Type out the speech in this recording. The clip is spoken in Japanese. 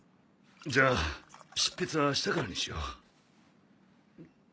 じゃあ執筆は明日からにしよう。